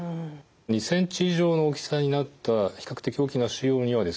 ２ｃｍ以上の大きさになった比較的大きな腫瘍にはですね